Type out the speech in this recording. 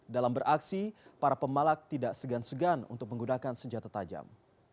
dalam beraksi para pemalak tidak segan segan untuk menggunakan senjata tajam